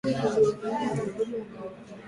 Menya na kuosha viazi